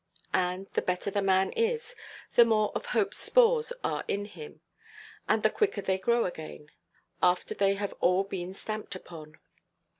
And, the better man he is, the more of hopeʼs spores are in him; and the quicker they grow again, after they have all been stamped upon.